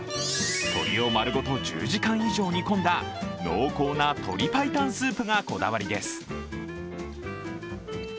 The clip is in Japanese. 鶏を丸ごと１０時間以上煮込んだ、濃厚な鶏パイタンスープがこだわりです。